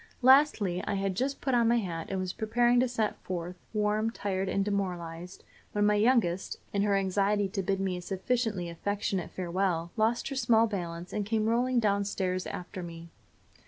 Lastly, I had just put on my hat, and was preparing to set forth, warm, tired and demoralized, when my youngest, in her anxiety to bid me a sufficiently affectionate farewell, lost her small balance, and came rolling down stairs after me.